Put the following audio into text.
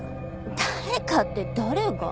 誰かって誰が？